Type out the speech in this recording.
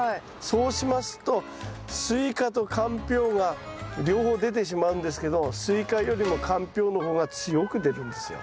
そうしますとスイカとかんぴょうが両方出てしまうんですけどスイカよりもかんぴょうの方が強く出るんですよ。